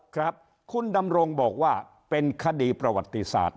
ครับคุณดำรงบอกว่าเป็นคดีประวัติศาสตร์